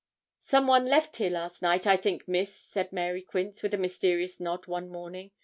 'Some one left here last night, I think, Miss,' said Mary Quince, with a mysterious nod, one morning.